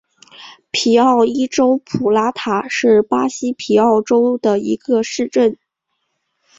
皮奥伊州普拉塔是巴西皮奥伊州的一个市镇。